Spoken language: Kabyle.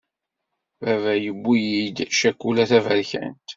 Baba yewwi-yi-d cakula taberkant.